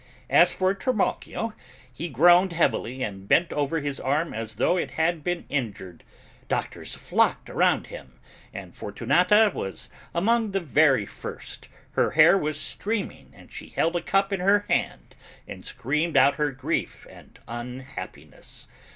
As for Trimalchio, he groaned heavily and bent over his arm as though it had been injured: doctors flocked around him, and Fortunata was among the very first, her hair was streaming and she held a cup in her hand and screamed out her grief and unhappiness.